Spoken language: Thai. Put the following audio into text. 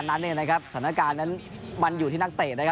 ในเกมครูแรก